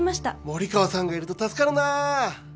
森川さんがいると助かるな。